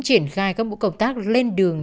triển khai các bộ công tác lên đường